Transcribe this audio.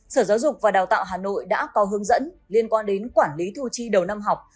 sở giáo dục và đào tạo hà nội đã có hướng dẫn liên quan đến quản lý thu chi đầu năm học